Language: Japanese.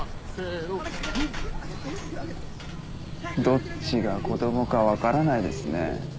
どっちが子供か分からないですね。